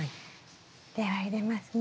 では入れますね。